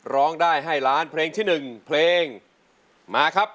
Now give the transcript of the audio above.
ร้องได้ให้ล้านเพลงที่๑เพลงมาครับ